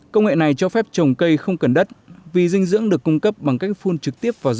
công nghệ này cho phép trồng cây không cần đất vì dinh dưỡng được cung cấp bằng cách phun trực tiếp vào giá